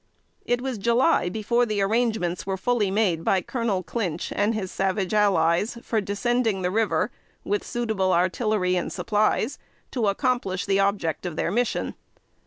It was July before the arrangements were fully made by Colonel Clinch and his savage allies for descending the river, with suitable artillery and supplies, to accomplish the object of their mission.